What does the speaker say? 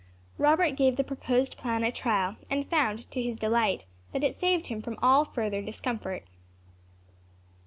Robert gave the proposed plan a trial, and found, to his delight, that it saved him from all further discomfort.